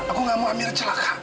aku gak mau amira celaka